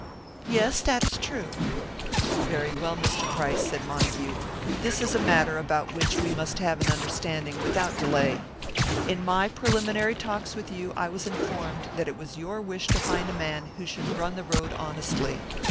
"Yes, that is true." "Very well, Mr. Price," said Montague. "This is a matter about which we must have an understanding without delay. In my preliminary talks with you I was informed that it was your wish to find a man who should run the road honestly.